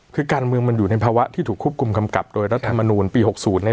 คือการเมืองมันอยู่ในภาวะที่ถูกควบคุมกำกับโดยรัฐมนูลปี๖๐เนี่ย